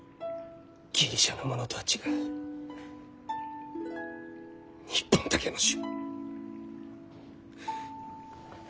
ギリシャのものとは違う日本だけの種！